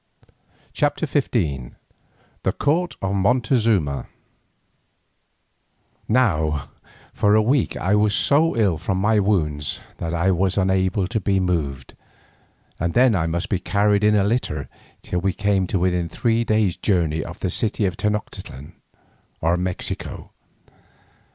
CHAPTER XV THE COURT OF MONTEZUMA Now for a week I was so ill from my wounds that I was unable to be moved, and then I must be carried in a litter till we came to within three days' journey of the city of Tenoctitlan or Mexico.